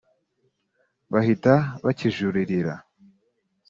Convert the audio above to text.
bahita bakijuririra